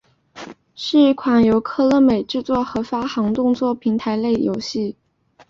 是一款由科乐美制作和发行的动作平台类游戏。